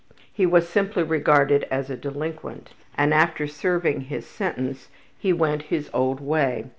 He was simply regarded as a delinquent, and after serving his sentence he went his old way.